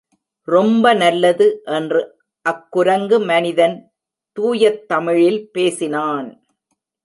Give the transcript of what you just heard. ரொம்பநல்லது! என்று அக்குரங்கு மனிதன் தூயத் தமிழில் பேசினான்.